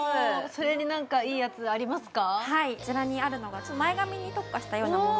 それに何かいいやつありますか？